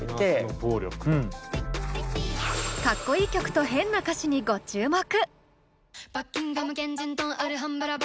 かっこいい曲と変な歌詞にご注目。